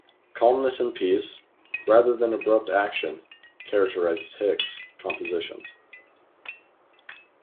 Calmness and peace, rather than abrupt action, characterize Hicks' compositions.